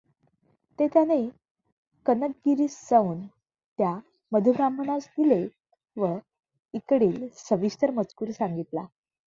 ते त्याने कनकगिरीस जाऊन त्या मधुब्राह्मणास दिले व इकडील सविस्तर मजकूर सांगितला.